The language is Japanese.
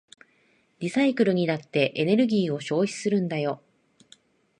リサイクルにだってエネルギーを消費するんだよ。